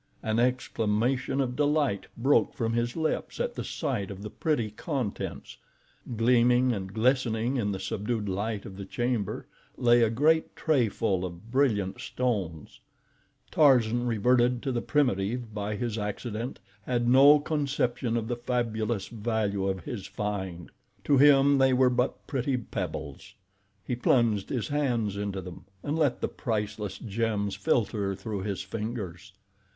An exclamation of delight broke from his lips at sight of the pretty contents. Gleaming and glistening in the subdued light of the chamber, lay a great tray full of brilliant stones. Tarzan, reverted to the primitive by his accident, had no conception of the fabulous value of his find. To him they were but pretty pebbles. He plunged his hands into them and let the priceless gems filter through his fingers.